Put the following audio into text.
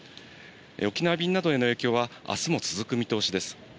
沖縄便などへの影響は、あすも続く見通しです。